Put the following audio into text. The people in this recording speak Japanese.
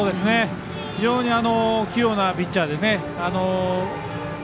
非常に器用なピッチャーでね。